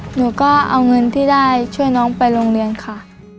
หนูก็เอาเงินที่ได้ช่วยน้องไปโรงเรียนค่ะ